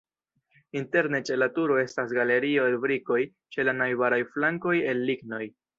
Interne ĉe la turo estas galerio el brikoj, ĉe la najbaraj flankoj el lignoj.